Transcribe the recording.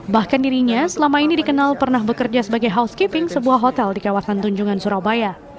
bahkan dirinya selama ini dikenal pernah bekerja sebagai housekeeping sebuah hotel di kawasan tunjungan surabaya